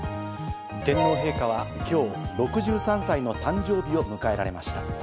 天皇陛下は今日、６３歳の誕生日を迎えられました。